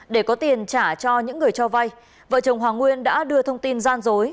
để có tiền trả cho những người cho vay vợ chồng hoàng nguyên đã đưa thông tin gian dối